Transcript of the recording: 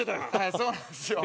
そうなんですよ。